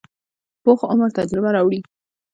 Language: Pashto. پوخ عمر تجربه راوړي